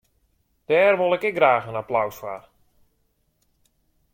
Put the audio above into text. Dêr wol ik ek graach in applaus foar.